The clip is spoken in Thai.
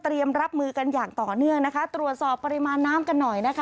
รับมือกันอย่างต่อเนื่องนะคะตรวจสอบปริมาณน้ำกันหน่อยนะคะ